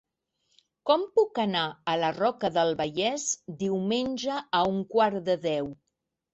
Com puc anar a la Roca del Vallès diumenge a un quart de deu?